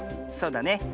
そうだね。